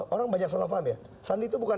orang banyak salah paham ya sandi itu bukan